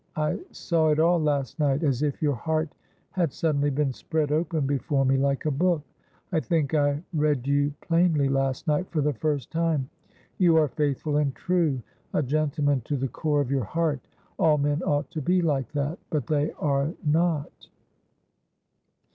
I saw it all last night, as if your heart had suddenly been spread open before me like a book. I think I read you plainly last night for the first time. You are faithful and true ; a gentleman to the core of your heart. All men ought to be like that : but they are not.'